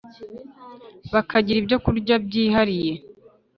bakagira ibyokurya byihariye